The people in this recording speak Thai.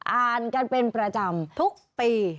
อ่านกันเป็นประจำทุกปี